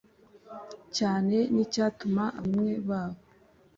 cyane n icyatuma abavandimwe babo